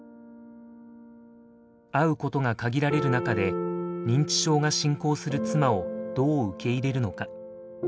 会うことが限られる中で認知症が進行する妻をどう受け入れるのか。